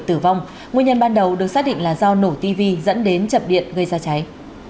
tử vong nguyên nhân ban đầu được xác định là do nổ tv dẫn đến chập điện gây ra cháy